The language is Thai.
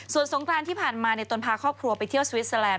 ส่วนสงกรานที่ผ่านมาในตนพาครอบครัวไปเที่ยวสวิสเตอร์แลนด